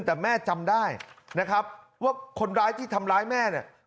แต่แม่จำได้นะครับว่าคนร้ายที่ทำร้ายแม่เนี่ย